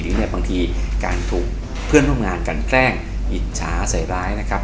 เนี่ยบางทีการถูกเพื่อนร่วมงานกันแกล้งอิจฉาใส่ร้ายนะครับ